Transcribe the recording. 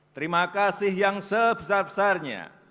terima kasih yang sebesar besarnya